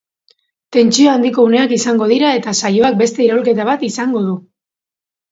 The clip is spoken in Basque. Tentsio handiko uneak izango dira eta saioak beste iraulketa bat izango du.